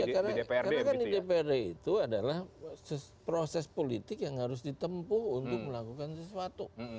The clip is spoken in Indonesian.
karena kan di dprd itu adalah proses politik yang harus ditempuh untuk melakukan sesuatu